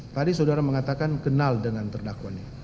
tadi saudara mengatakan kenal dengan terdakwanya